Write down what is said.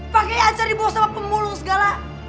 pakai acar dibawa sama pembulung segala